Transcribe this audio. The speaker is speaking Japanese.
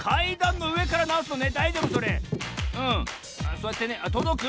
そうやってねとどく？